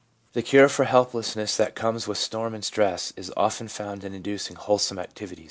The cure for helplessness that comes with storm and stress is often found in inducing wholesome activity.